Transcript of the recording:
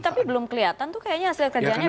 tapi belum kelihatan tuh kayaknya hasil kerjanya